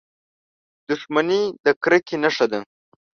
• دښمني د کرکې نښه ده.